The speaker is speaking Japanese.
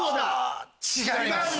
違います。